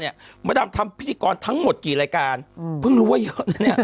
เนี้ยมาดำทำพิธีกรทั้งหมดกี่รายการอืมเพิ่งรู้ว่าเยอะแล้วเนี้ย